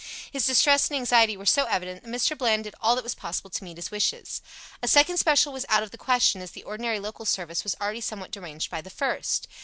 His distress and anxiety were so evident that Mr. Bland did all that was possible to meet his wishes. A second special was out of the question, as the ordinary local service was already somewhat deranged by the first.